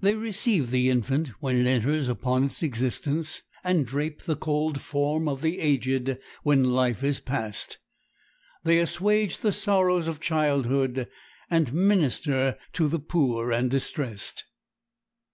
They receive the infant when it enters upon its existence, and drape the cold form of the aged when life is passed. They assuage the sorrows of childhood, and minister to the poor and distressed.